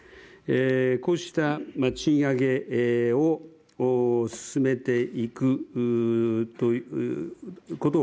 こうした賃上げを進めていくことを